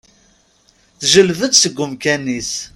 Teǧǧelleb-d seg umkan-is.